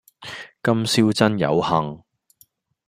今宵真有幸